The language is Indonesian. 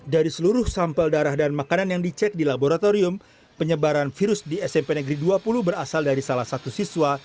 dari seluruh sampel darah dan makanan yang dicek di laboratorium penyebaran virus di smp negeri dua puluh berasal dari salah satu siswa